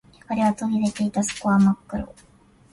光は途切れていた。底は真っ暗。